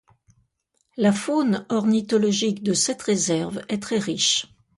La faune ornithologique de cette réserve est très riche.